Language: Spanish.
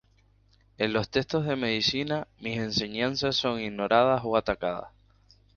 En los textos de medicina mis enseñanzas son ignoradas o atacadas.